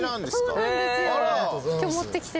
そうなんですよ。